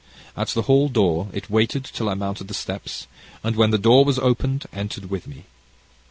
At the hall door it waited till I mounted the steps, and when the door was opened entered with me.